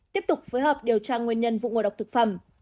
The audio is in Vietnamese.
tiếp tục phối hợp điều tra nguyên nhân vụ ngộ độc thực phẩm